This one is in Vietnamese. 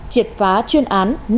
triệt phá chuyên án